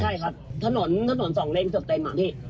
ใช่ครับถนนถนนสองเลนเกือบเต็มอ่ะพี่